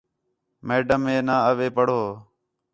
میڈم ہے نہ، اوے پڑھو